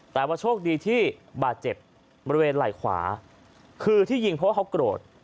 แต่ว่าโชคดีที่บาดเจ็บบริเวณไหล่ขวาคือที่ยิงเพราะว่าเขาโกรธ